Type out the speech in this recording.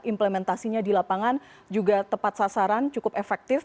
implementasinya di lapangan juga tepat sasaran cukup efektif